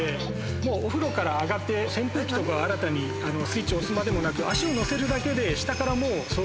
もうお風呂から上がって扇風機とか新たにスイッチを押すまでもなく。